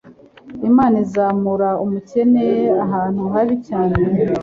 Imana izamura umukene ahantu habi cyane